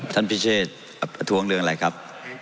ท่านพิเศษถ้วงเรื่องอะไรครับ